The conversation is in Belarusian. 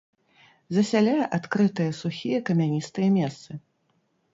Засяляе адкрытыя сухія камяністыя месцы.